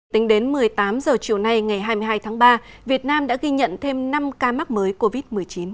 tính đến một mươi tám h chiều nay ngày hai mươi hai tháng ba việt nam đã ghi nhận thêm năm ca mắc mới covid một mươi chín